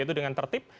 yaitu dengan tertib